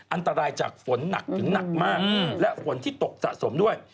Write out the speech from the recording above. อันตรายจากฝนหนักถึงหนักมากและฝนที่ตกสะสมด้วย